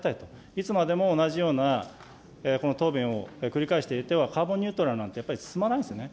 いつまでも同じようなこの答弁を繰り返していては、カーボンニュートラルなんてやっぱり進まないですよね。